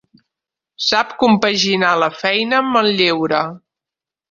Sap compaginar la feina amb el lleure.